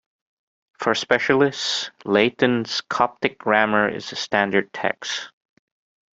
For specialists, Layton's Coptic grammar is a standard text.